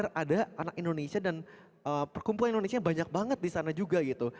dan di sana ternyata gak sadar ada anak indonesia dan perkumpulan indonesia banyak banget di sana juga gitu